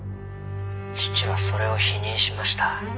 「父はそれを否認しました」